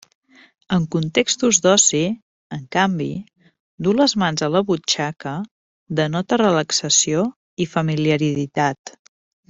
En contextos d'oci, en canvi, dur les mans a la butxaca denota relaxació i familiaritat.